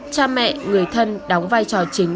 cha mẹ người thân đóng vai trò chính